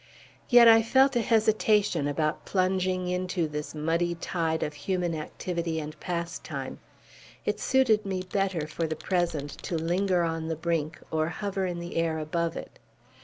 Yet I felt a hesitation about plunging into this muddy tide of human activity and pastime. It suited me better, for the present, to linger on the brink, or hover in the air above it.